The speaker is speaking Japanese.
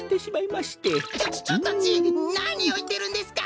ちょちょっとじいなにをいってるんですか！？